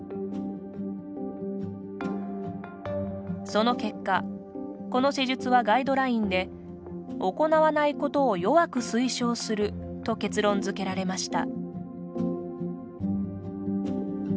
その結果この施術はガイドラインで行わないことを弱く推奨すると結論づけられました。